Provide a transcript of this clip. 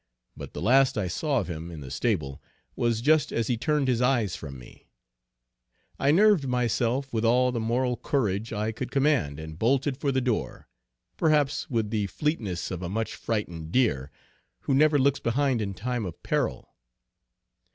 But the last I saw of him in the stable was just as he turned his eyes from me; I nerved myself with all the moral courage I could command and bolted for the door, perhaps with the fleetness of a much frightened deer, who never looks behind in time of peril.